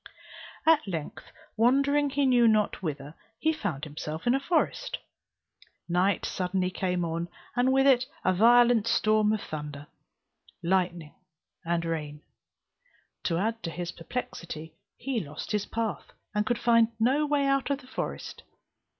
At length, wandering he knew not whither, he found himself in a forest; night suddenly came on, and with it a violent storm of thunder, lightning, and rain. To add to his perplexity, he lost his path, and could find no way out of the forest.